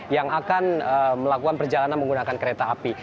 yang akan melakukan perjalanan menggunakan kereta api